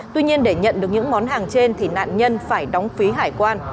tuy nhiên để nhận được những món hàng trên thì nạn nhân phải đóng phí hải quan